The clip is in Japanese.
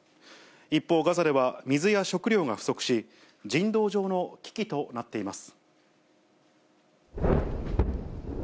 一方、ガザでは水や食料が不足し、人道上の危機となっています。